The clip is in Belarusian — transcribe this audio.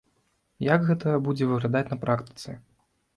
Як гэта будзе выглядаць на практыцы?